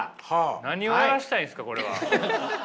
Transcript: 何をやらしたいんですかこれは。